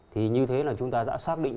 thì như thế là chúng ta đã xác định